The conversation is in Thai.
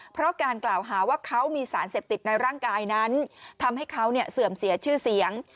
เพราะการกล่าวหาว่าเขามีสารเสพติดในร่างกายนั้นทำให้เขาเสื่อมเสียชื่อเสียง